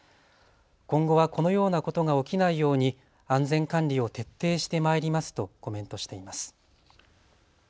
今後はこのようなことが起きないように安全管理を徹底してまいりますとコメントしています。